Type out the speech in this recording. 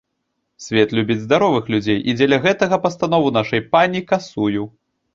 Свет любіць здаровых людзей, і дзеля гэтага пастанову нашай пані касую.